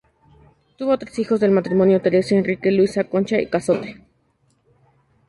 Tuvo tres hijos del matrimonio, Teresa, Enrique y Luisa Concha Cazotte.